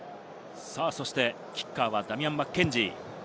キッカーはダミアン・マッケンジー。